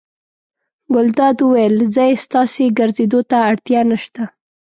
ګلداد وویل: ځئ ستاسې ګرځېدو ته اړتیا نه شته.